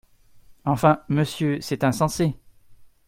Enfin, monsieur, c’est insensé !